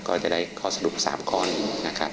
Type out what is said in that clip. ก็จะได้ข้อสรุป๓ข้อนี้นะครับ